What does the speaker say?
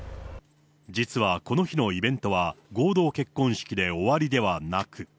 実はこの日のイベントは合同結婚式で終わりではなく。